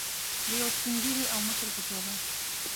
د یو سپین ږیري او مشر په توګه.